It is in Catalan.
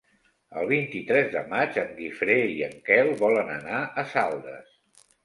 El vint-i-tres de maig en Guifré i en Quel volen anar a Saldes.